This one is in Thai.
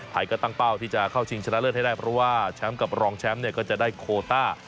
ก็ตั้งเป้าที่จะเข้าชิงชนะเลิศให้ได้เพราะว่าแชมป์กับรองแชมป์เนี่ยก็จะได้โคต้า